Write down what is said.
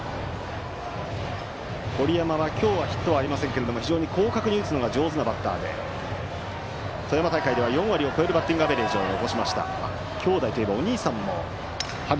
堀山は、今日はヒットはありませんが非常に広角に打つのが上手なバッターで富山大会では４割を超えるバッティングアベレージを残しました。